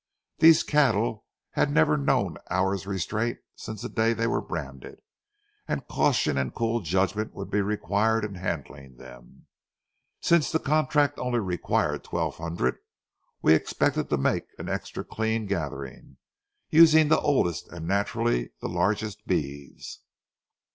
These cattle had never known an hour's restraint since the day they were branded, and caution and cool judgment would be required in handling them. Since the contract only required twelve hundred, we expected to make an extra clean gathering, using the oldest and naturally the largest beeves.